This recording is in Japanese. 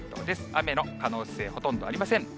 雨の可能性、ほとんどありません。